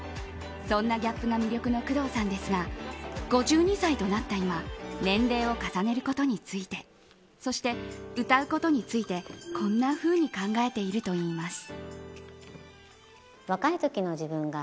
そんなギャップが魅力の工藤さんですが５２歳となった今年齢を重ねることについてそして、歌うことについてこんなふうに考えているといいます。